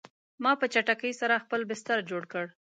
ما په چټکۍ سره خپل بستر جوړ کړ